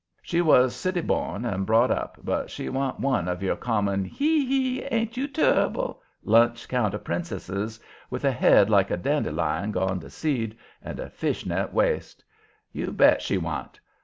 She was city born and brought up, but she wa'n't one of your common "He! he! ain't you turrible!" lunch counter princesses, with a head like a dandelion gone to seed and a fish net waist. You bet she wa'n't!